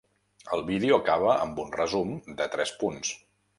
El vídeo acaba amb un resum de tres punts.